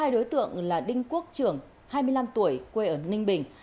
hai đối tượng là đinh quốc trưởng hai mươi năm tuổi quê ở ninh bình